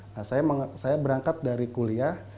nah saya berangkat dari kuliah